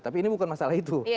tapi ini bukan masalah itu